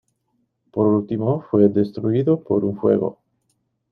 Por último, fue destruido por un fuego.